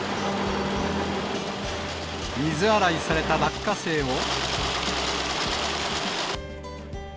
水洗いされた落花生を。